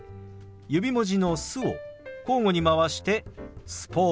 指文字の「す」を交互に回して「スポーツ」。